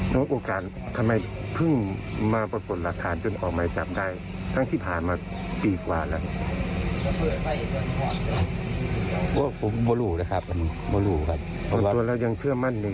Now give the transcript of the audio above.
รูแล้วก็รับรับโดยเรายังเชื่อมั่นหรือ